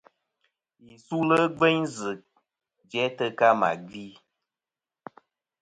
Yi sulɨ gveyn zɨ̀ jæ tɨ ka mà gvi.